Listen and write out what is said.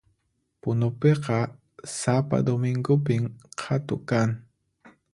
Punupiqa sapa domingopin qhatu kan